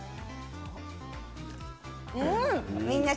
うん！